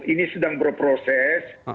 ini sedang berproses